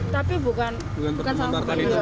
tapi bukan sama kemurah murah